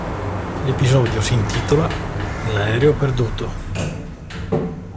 L'episodio si intitola "L'aereo perduto".